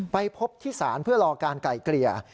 ไปพบที่ศาลเพื่อรอการไกลเกลี่ย